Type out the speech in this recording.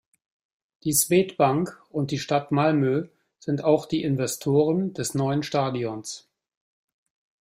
Die Swedbank und die Stadt Malmö sind auch die Investoren des neuen Stadions.